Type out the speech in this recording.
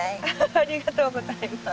ありがとうございます。